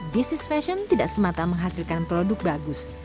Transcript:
bisnis fashion tidak semata menghasilkan produk bagus